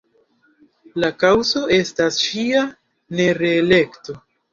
La kaŭzo estas ŝia nereelekto.